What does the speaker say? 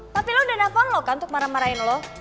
tapi lo udah nelfon loh kan untuk marah marahin lo